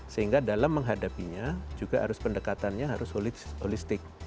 sehingga dalam menghadapinya juga harus pendekatannya harus holistik